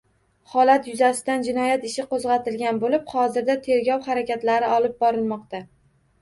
Holat yuzasidan jinoyat ishi qo‘zg‘atilgan bo‘lib, hozirda tergov harakatlari olib borilmoqda